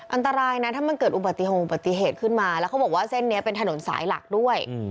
อันตรายนะถ้ามันเกิดอุบัติเหตุขึ้นมาแล้วเขาบอกว่าเส้นนี้เป็นถนนสายหลักด้วย